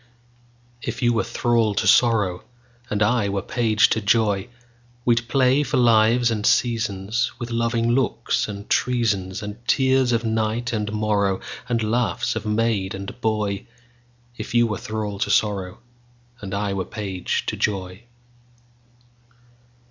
If you were thrall to sorrow, And I were page to joy, We'd play for lives and seasonsWith loving looks and treasonsAnd tears of night and morrowAnd laughs of maid and boy; If you were thrall to sorrow, And I were page to joy.